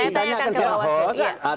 saya tanyakan ke bawaslu